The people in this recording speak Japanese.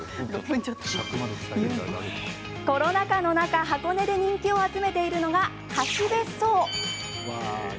コロナ禍の中、箱根で人気を集めているのが貸し別荘。